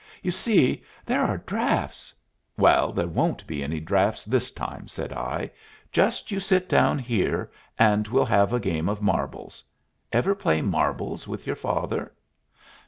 "You see, there are drafts " "Well, there won't be any drafts this time," said I. "Just you sit down here, and we'll have a game of marbles ever play marbles with your father?"